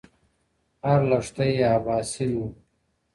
هر لښتی يې اباسين ؤ .